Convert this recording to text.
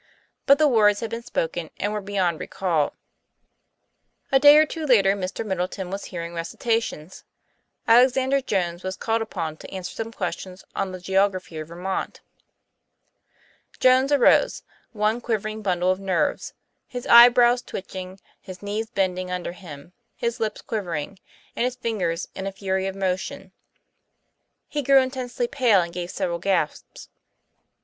But the words had been spoken, and were beyond recall. A day or two later, Mr. Middleton was hearing recitations. Alexander Jones was called upon to answer some questions on the geography of Vermont. "What is the nature of the land, Jones?" asked Mr. Middleton in a kindly manner. Jones arose, one quivering bundle of nerves, his eyebrows twitching, his knees bending under him, his lips quivering, and his fingers in a fury of motion. He grew intensely pale and gave several gasps.